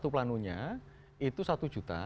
planunya itu satu juta